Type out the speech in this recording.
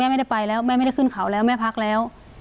ไม่ได้ไปแล้วแม่ไม่ได้ขึ้นเขาแล้วแม่พักแล้ว